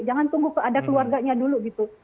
jangan tunggu ke ada keluarganya dulu gitu